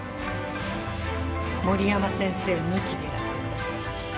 森山先生抜きでやってください。